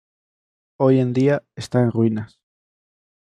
Hoy en día está en ruinas.